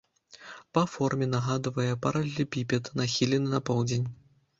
Па форме нагадвае паралелепіпед, нахілены на поўдзень.